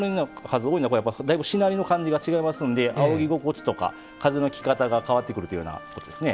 しなりの感じが違いますので、あおぎ心地や風のき方が変わってくるということですね。